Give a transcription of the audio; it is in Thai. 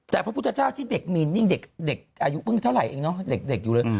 แต่พระพุทธเจ้าที่เด็กมีนิ่งเด็กอายุเพิ่งเท่าไหร่เองเนาะเด็กอยู่เลย